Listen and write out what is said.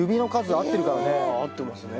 あ合ってますね。